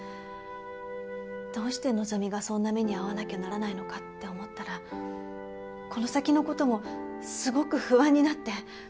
どうして希がそんな目にあわなきゃならないのかって思ったらこの先の事もすごく不安になって。